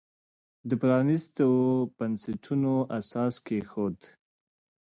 د پرانیستو بنسټونو اساس کېښود.